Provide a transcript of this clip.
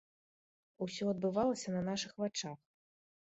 Усё адбывалася на нашых вачах.